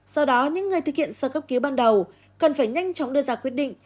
do đó những người thực hiện sơ cấp cứu ban đầu cần phải nhanh chóng đưa ra quyết định